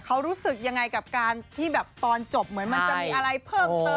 เขารู้สึกยังไงกับการที่แบบตอนจบเหมือนมันจะมีอะไรเพิ่มเติม